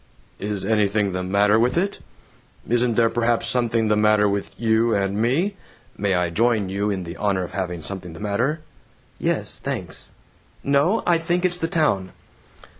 "Is anything the matter with it? Isn't there perhaps something the matter with you and me? (May I join you in the honor of having something the matter?)" "(Yes, thanks.) No, I think it's the town."